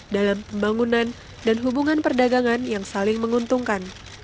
dalam pembangunan dan hubungan perdagangan yang saling menguntungkan